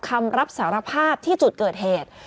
คำรับสารภาพที่จุดเกิดเหตุ